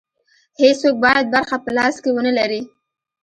هېڅوک باید برخه په لاس کې ونه لري.